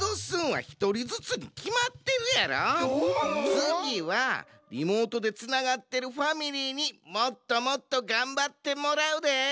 つぎはリモートでつながってるファミリーにもっともっとがんばってもらうで！